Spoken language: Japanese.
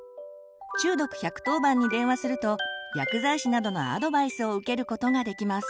中毒１１０番に電話すると薬剤師などのアドバイスを受けることができます。